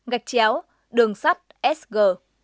gạch chéo đường sắt sg